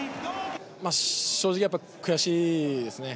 正直やっぱ悔しいですね。